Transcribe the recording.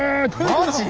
マジ？